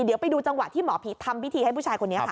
เดี๋ยวไปดูจังหวะที่หมอผีทำพิธีให้ผู้ชายคนนี้ค่ะ